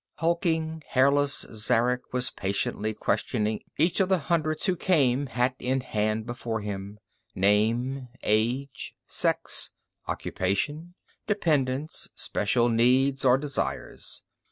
Hulking hairless Zarek was patiently questioning each of the hundreds who came hat in hand before him: name, age, sex, occupation, dependents, special needs or desires.